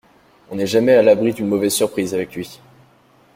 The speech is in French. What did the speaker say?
On n'est jamais à l'abri d'une mauvaise surprise avec lui.